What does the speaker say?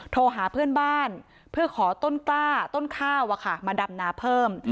โทรหาเพื่อนบ้านเพื่อขอต้นกล้าต้นข้าวมาดำนาเพิ่ม